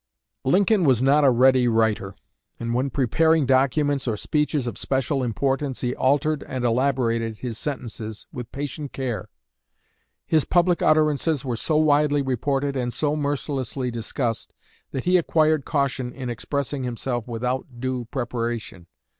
Lincoln was not a ready writer, and when preparing documents or speeches of special importance he altered and elaborated his sentences with patient care. His public utterances were so widely reported and so mercilessly discussed that he acquired caution in expressing himself without due preparation.